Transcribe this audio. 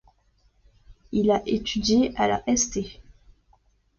Il a étudié à la St.